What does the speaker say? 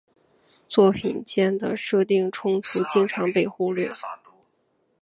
作品间的设定冲突经常被忽略。